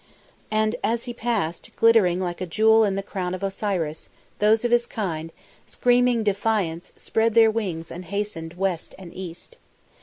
"And as he passed, glittering like a jewel in the crown of Osiris, those of his kind, screaming defiance, spread their wings and hastened west and east.